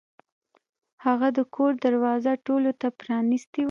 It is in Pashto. هغه د کور دروازه ټولو ته پرانیستې وه.